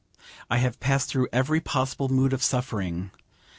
I have passed through every possible mood of suffering.